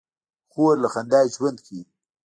خور له خندا ژوند کوي.